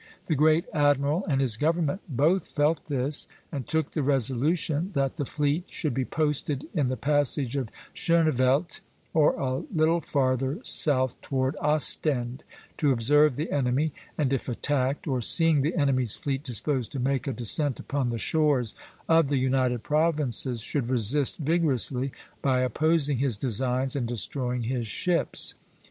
The great admiral and his government both felt this, and took the resolution that "the fleet should be posted in the passage of Schoneveldt, or a little farther south toward Ostend, to observe the enemy, and if attacked, or seeing the enemy's fleet disposed to make a descent upon the shores of the United Provinces, should resist vigorously, by opposing his designs and destroying his ships."